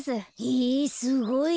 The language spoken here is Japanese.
えすごい。